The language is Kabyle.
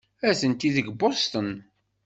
Atenti deg Boston.